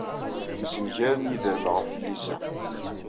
Msengaren yiderma ɣef tlisa.